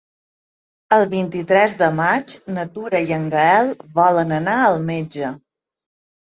El vint-i-tres de maig na Tura i en Gaël volen anar al metge.